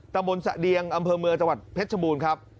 ตะบนสะเดียงอำเภอเมืองจังหวัดเพชรชบูรณ์ครับ